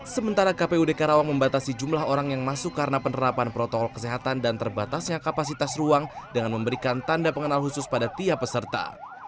sementara kpud karawang membatasi jumlah orang yang masuk karena penerapan protokol kesehatan dan terbatasnya kapasitas ruang dengan memberikan tanda pengenal khusus pada tiap peserta